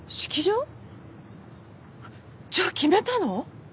じゃあ決めたの？